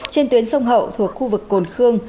trên tuyến sông hậu thuộc khu vực cồn khương